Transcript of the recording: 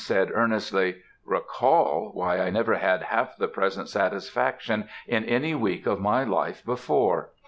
said earnestly, "Recall! why, I never had half the present satisfaction in any week of my life before!"